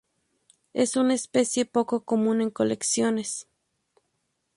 Es una especie poco común en colecciones.